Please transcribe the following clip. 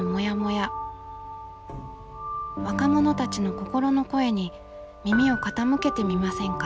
若者たちの心の声に耳を傾けてみませんか？